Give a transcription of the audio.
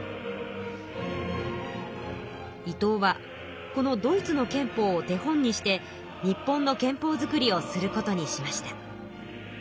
伊藤はこのドイツの憲法を手本にして日本の憲法作りをすることにしました。